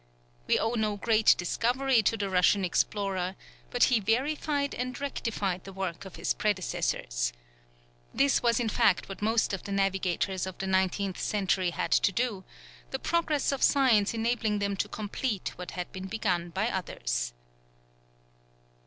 We owe no great discovery to the Russian explorer, but he verified and rectified the work of his predecessors. This was in fact what most of the navigators of the nineteenth century had to do, the progress of science enabling them to complete what had been begun by others.